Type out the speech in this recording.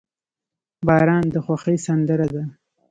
• باران د خوښۍ سندره ده.